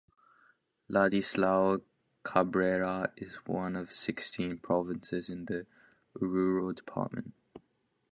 Ladislao Cabrera is one of sixteen provinces in the Oruro Department.